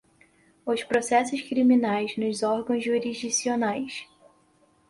os processos criminais, nos órgãos jurisdicionais